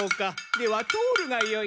では通るがよい。